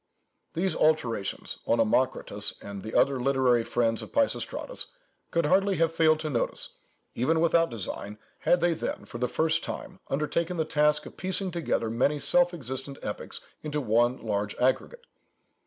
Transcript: These alterations Onomakritus, and the other literary friends of Peisistratus, could hardly have failed to notice, even without design, had they then, for the first time, undertaken the task of piecing together many self existent epics into one large aggregate.